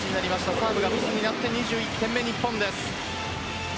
サーブがミスになって２１点目、日本です。